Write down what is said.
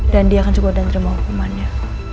dan dia kan juga udah nerima hukumannya